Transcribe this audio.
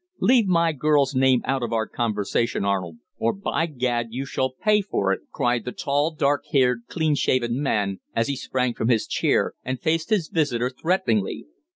"Leave my girl's name out of our conversation, Arnold, or, by Gad! you shall pay for it!" cried the tall, dark haired, clean shaven man, as he sprang from his chair and faced his visitor threateningly.